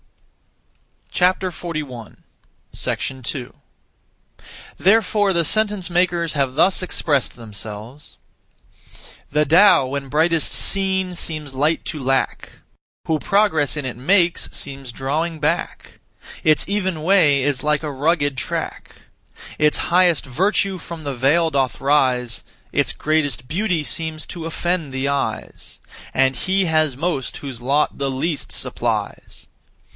2. Therefore the sentence makers have thus expressed themselves: 'The Tao, when brightest seen, seems light to lack; Who progress in it makes, seems drawing back; Its even way is like a rugged track. Its highest virtue from the vale doth rise; Its greatest beauty seems to offend the eyes; And he has most whose lot the least supplies.